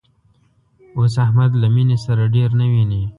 اوس احمد له مینې سره ډېر نه ویني